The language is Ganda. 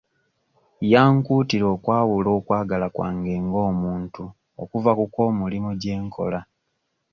Yankuutira okwawula okwagala kwange ng'omuntu okuva ku kw'omulimu gye nkola.